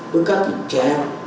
với các trẻ em dưới một mươi sáu tuổi